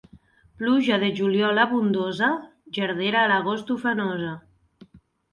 Pluja de juliol abundosa, gerdera a l'agost ufanosa.